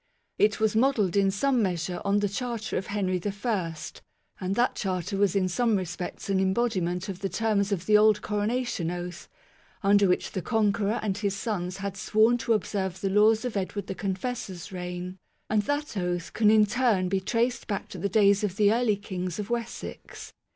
It was modelled in some measure on the Charter of Henry I, and that Charter was in some respects an embodiment of the terms of the old coronation oath, under which the Conqueror and his sons had sworn to observe the laws of Edward the Confessor's reign ; and that oath can in turn be traced back to the days of the early kings of Wessex.